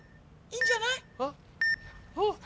いいんじゃない？あっ。